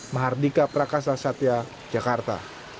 mahardika prakasa satya jakarta